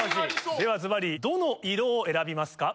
ではスバリどの色を選びますか？